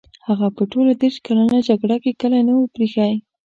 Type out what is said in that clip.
هغه په ټوله دېرش کلنه جګړه کې کلی نه وو پرې ایښی.